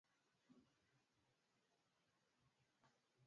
na ilikamatwa wakati ikikatiza kuelekea nchi husika